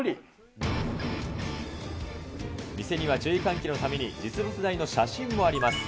店には注意喚起のために、実物大の写真もあります。